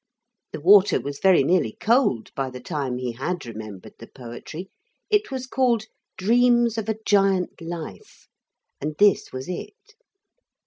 The water was very nearly cold by the time he had remembered the poetry. It was called Dreams of a Giant Life, and this was it.